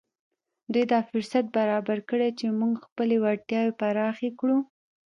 دوی دا فرصت برابر کړی چې موږ خپلې وړتیاوې پراخې کړو